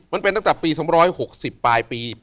มันเป็นตั้งแต่ปี๒๖๐ปลายปี